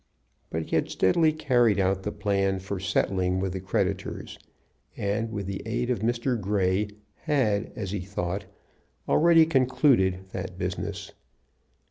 But he had steadily carried out the plan for settling with the creditors, and, with the aid of Mr. Grey, had, as he thought, already concluded that business.